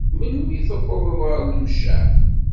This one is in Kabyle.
Melmi tewwḍeḍ ɣer Lemceɛ?